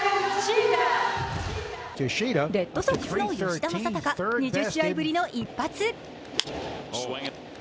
レッドソックスの吉田正尚、２０試合ぶりの一発。